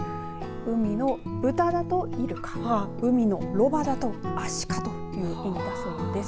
海の豚だといるか海のロバだとアシカという意味だそうです。